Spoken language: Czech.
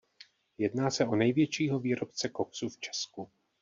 Jedná se o největšího výrobce koksu v Česku.